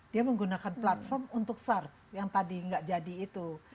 dia menggunakan platform untuk sars yang tadi nggak jadi itu